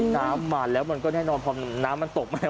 น้ำมาแล้วมันก็แน่นอนพอน้ำมันตกมาก